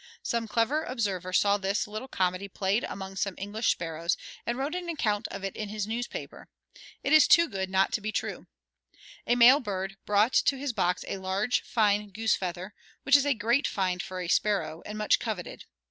Some clever observer saw this little comedy played among some English sparrows and wrote an account of it in his newspaper; it is too good not to be true: A male bird brought to his box a large, fine goose feather, which is a great find for a sparrow and much coveted.